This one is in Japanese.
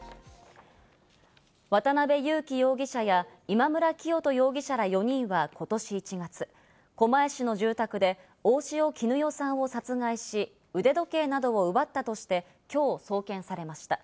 渡辺優樹容疑者や今村磨人容疑者ら４人はことし１月、狛江市の住宅で大塩衣与さんを殺害し、腕時計などを奪ったとして、きょう送検されました。